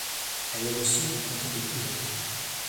Elle est le siège du comté de Huron.